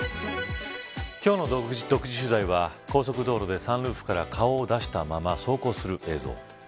今日の独自取材は高速道路でサンルーフから顔を出したまま走行する映像。